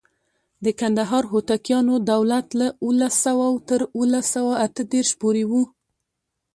د کندهار هوتکیانو دولت له اوولس سوه تر اوولس سوه اته دیرش پورې و.